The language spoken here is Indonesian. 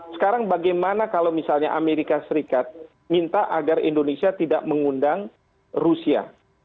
sekarang bagaimana kalau misalnya amerika serikat minta agar indonesia tidak mengundang rusia